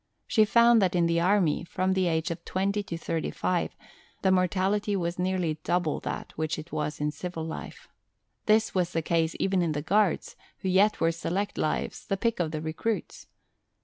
She found that in the Army, from the age of twenty to thirty five, the mortality was nearly double that which it was in civil life. This was the case even in the Guards, who yet were select lives, the pick of the recruits.